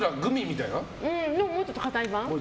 もうちょっと固い版。